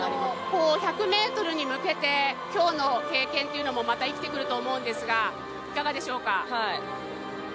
１００ｍに向けて今日の経験もまた生きてくると思うんですがいかがでしょうか。